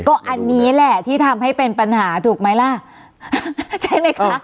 ก็อันนี้แหละที่ทำให้เป็นปัญหาถูกไหมล่ะใช่ไหมคะ